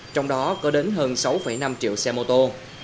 trong đó có đến hơn sáu năm triệu xe mô tô